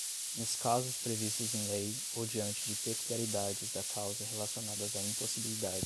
Nos casos previstos em lei ou diante de peculiaridades da causa relacionadas à impossibilidade